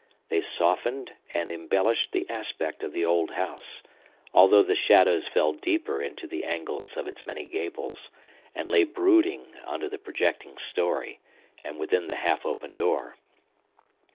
They softened and embellished the aspect of the old house; although the shadows fell deeper into the angles of its many gables, and lay brooding under the projecting story, and within the half open door.